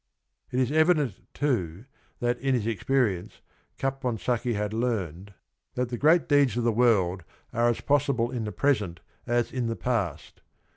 It is evident too that in his experience Capon sacchi had learned that the great deeds of the CAPONSACCHI 105 world are as possible in the present as in the past.